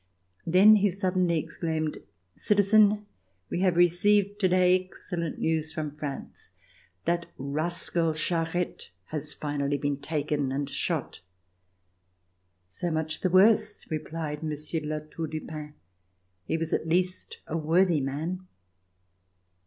Then he suddenly exclaimed, Citizen, we have received to day excellent news from France. That rascal Charette has finally been taken and shot." *'So much the worse," replied Monsieur de La Tour du Pin, '*he was at least a worthy man."